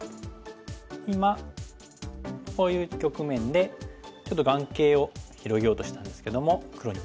今こういう局面でちょっと眼形を広げようとしたんですけども黒に止められました。